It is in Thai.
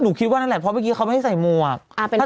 คิดว่านั่นแหละเพราะเมื่อกี้เขาไม่ให้ใส่หมวก